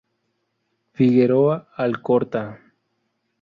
Figueroa Alcorta.